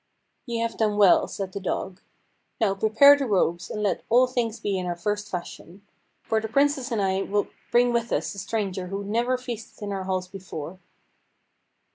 "Ye have done well," said the dog. "Now, prepare the robes, and let all things be in our first fashion: for the Princess and I will bring with us a stranger who never feasted in our halls before."